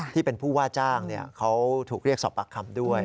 ที่เป็นผู้ว่าจ้างเขาถูกเรียกสอบปากคำด้วย